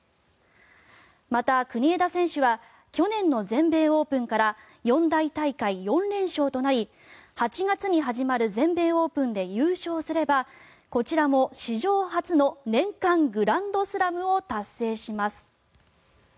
また、国枝選手は去年の全米オープンから四大大会４連勝となり８月に始まる全米オープンで優勝すればこちらも史上初の年間グランドスラムを達成します。